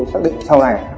tôi xác định sau này